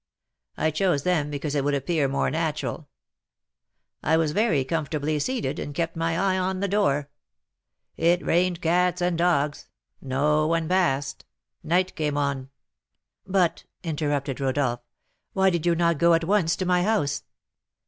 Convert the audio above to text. I chose them because it would appear more natural. I was very comfortably seated, and kept my eye on the door. It rained cats and dogs; no one passed; night came on " "But," interrupted Rodolph, "why did you not go at once to my house?"